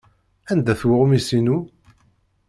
Anda-t weɣmis-inu?